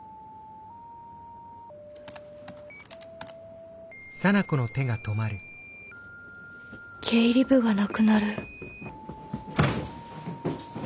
心の声経理部がなくなる。